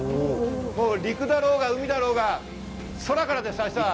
陸だろうが海だろうが空からです、明日は。